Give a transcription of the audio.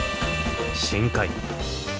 深海。